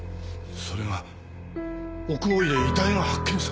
それが奥大井で遺体が発見されたと。